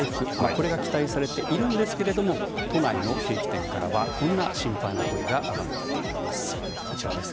これが期待されていますが都内のケーキ店からはこんな心配の声が上がっています。